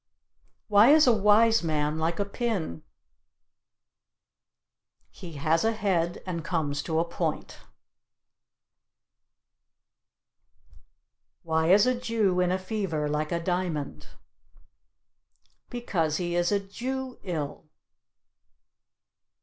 Why is a wise man like a pin? He has a head and comes to a point. Why is a Jew in a fever like a diamond? Because he is a Jew ill.